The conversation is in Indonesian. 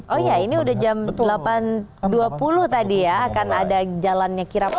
oh iya ini udah jam delapan dua puluh tadi ya akan ada jalannya kirap